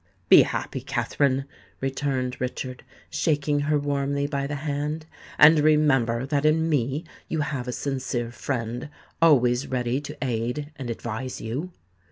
"Be happy, Katherine," returned Richard, shaking her warmly by the hand; "and remember that in me you have a sincere friend, always ready to aid and advise you."